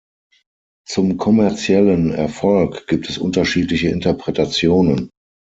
Zum kommerziellen Erfolg gibt es unterschiedliche Interpretationen.